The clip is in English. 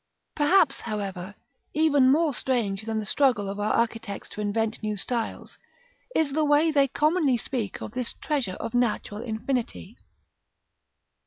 § II. Perhaps, however, even more strange than the struggle of our architects to invent new styles, is the way they commonly speak of this treasure of natural infinity.